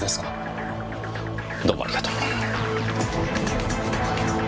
どうもありがとう。